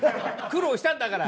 苦労したんだから。